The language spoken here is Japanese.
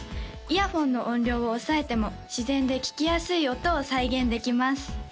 イヤホンの音量を抑えても自然で聴きやすい音を再現できます